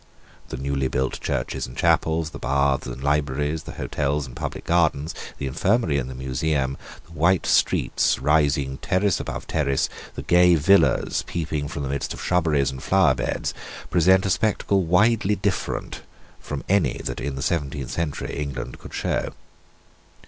The newly built churches and chapels, the baths and libraries, the hotels and public gardens, the infirmary and the museum, the white streets, rising terrace above terrace, the gay villas peeping from the midst of shrubberies and flower beds, present a spectacle widely different from any that in the seventeenth century England could show.